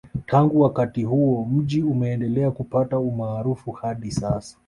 Tangu wakati huo mji umendelea kupata umaarufu hadi sasa